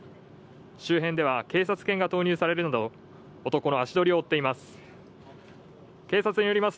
周辺では警察犬が投入されるなど男の足取りを追っています。